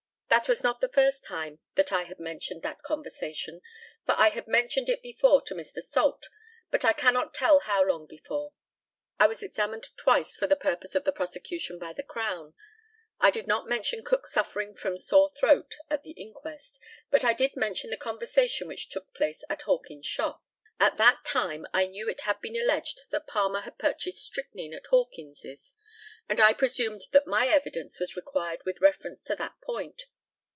That was not the first time that I had mentioned that conversation; for I had mentioned it before to Mr. Salt; but I cannot tell how long before. I was examined twice for the purpose of the prosecution by the Crown. I did not mention Cook's suffering from sore throat at the inquest, but I did mention the conversation which took place at Hawkins's shop. At that time I knew it had been alleged that Palmer had purchased strychnine at Hawkins's, and I presumed that my evidence was required with reference to that point.